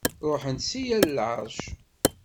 Ṛuḥen-d si yal lɛeṛc.